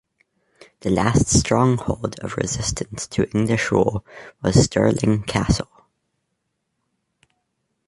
The last stronghold of resistance to English rule was Stirling Castle.